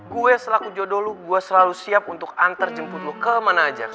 gue selaku jodoh gue selalu siap untuk antar jemput lu kemana aja